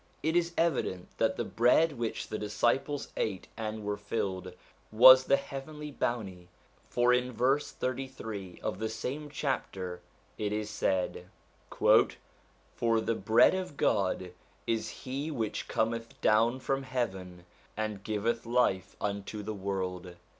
It is evident that the bread of which the disciples ate and were filled, was the heavenly bounty; for in verse 33 of the same chapter it is said :' For the bread of God is he which cometh down from heaven, and giveth life unto the world.'